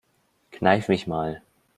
Kneif mich mal.